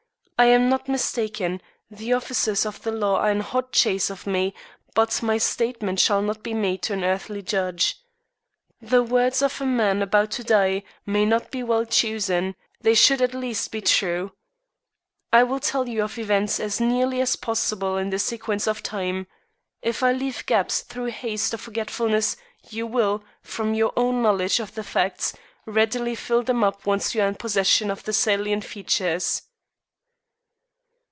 If I am not mistaken, the officers of the law are in hot chase of me, but my statement shall not be made to an earthly judge. The words of a man about to die may not be well chosen; they should at least be true. I will tell of events as nearly as possible in their sequence of time. If I leave gaps through haste or forgetfulness you will, from your own knowledge of the facts, readily fill them up once you are in possession of the salient features.